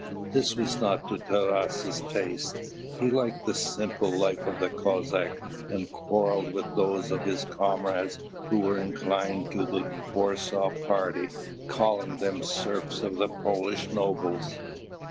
This was not to Taras's taste. He liked the simple life of the Cossacks, and quarrelled with those of his comrades who were inclined to the Warsaw party, calling them serfs of the Polish nobles.